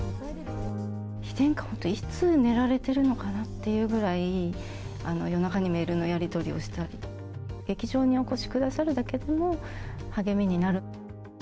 妃殿下、本当、いつ寝られてるのかなっていうぐらい、夜中にメールのやり取りをしたりとか、劇場にお越しくださるだけでも、励みになる。